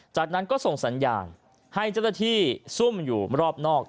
จากนั้นก็ส่งสัญญาณให้เจ้าหน้าที่ซุ่มอยู่รอบนอก